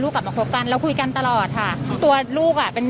กลับมาคบกันเราคุยกันตลอดค่ะตัวลูกอ่ะเป็น